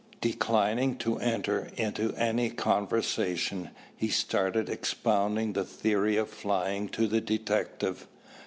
Declining to enter into any conversation, he started expounding the theory of flying to the detective.